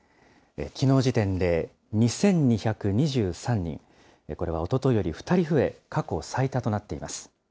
きのう時点で２２２３人、これはおとといより２人増え、過去最多となっています。